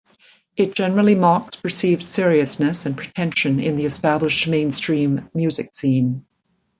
It generally mocks perceived seriousness and pretension in the established mainstream music scene.